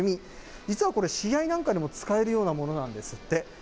実はこれ、試合なんかでも使えるようなものなんですって。